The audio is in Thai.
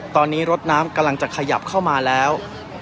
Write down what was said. ตอนนี้รถน้ำกำลังจะขยับเข้ามาแล้ว